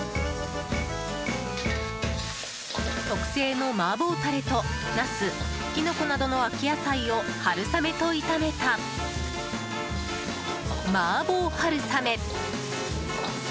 特製の麻婆タレとナス、キノコなどの秋野菜を春雨と炒めたマーボー春雨。